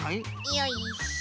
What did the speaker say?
よいしょ。